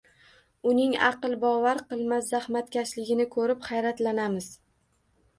Uning aql bovar qilmas zahmatkashligini ko’rib hayratlanamiz.